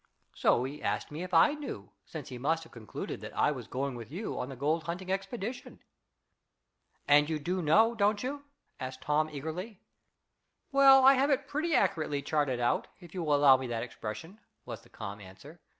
So he asked me if I knew, since he must have concluded that I was going with you on the gold hunting expedition." "And you do know, don't you?" asked Tom eagerly. "Well, I have it pretty accurately charted out, if you will allow me that expression," was the calm answer.